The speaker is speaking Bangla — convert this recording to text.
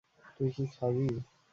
তুই কি খাবি?